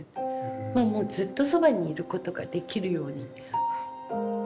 まあもうずっとそばにいることができるように。